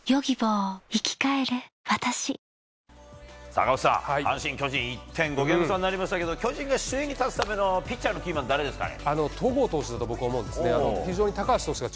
赤星さん、阪神・巨人１．５ゲーム差になりましたが巨人が首位に立つためのピッチャーのキーマンは誰ですかね。